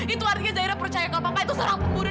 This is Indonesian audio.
itu artinya zaira percaya kalau papa itu seorang pembunuh